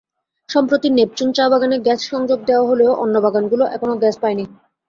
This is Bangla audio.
সম্প্রতি নেপচুন চা-বাগানে গ্যাস-সংযোগ দেওয়া হলেও অন্য বাগানগুলো এখনো গ্যাস পায়নি।